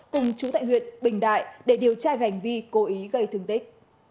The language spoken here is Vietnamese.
cùng chú tại huyện bình đại để điều tra về hành vi cố ý gây thương tích